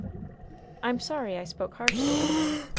"I'm sorry I spoke harshly, Emily.